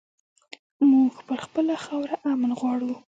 مونږ پر خپله خاوره امن غواړو